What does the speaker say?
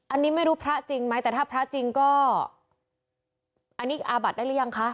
อันนี้ไม่รู้พระจริงไหมแต่ถ้าพระจริงก็อันนี้อาบัดได้หรือยังคะ